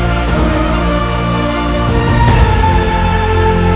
jangan lupa untuk mencari penyanyi